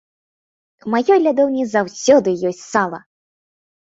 У маёй лядоўні заўсёды ёсць сала!!!